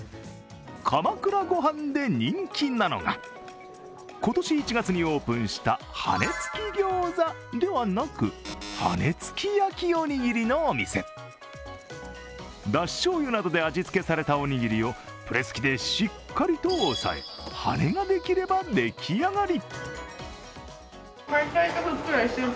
鎌倉ご飯で人気なのが今年１月にオープンした羽根つきギョーザではなく羽根つき焼きおにぎりのお店。だししょうゆなどで味つけされたおにぎりをプレス機でしっかり押さえ、羽根ができれば出来上がり。